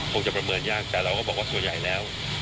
จะประเมินยากแต่เราก็บอกว่าส่วนใหญ่แล้ว